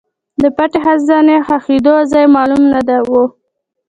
د پټ خزانه ښخېدو ځای معلوم نه و.